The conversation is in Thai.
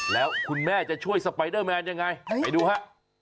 แล้วคุณแม่จะช่วยสไปเดอร์แมนยังไงไปดูฮะ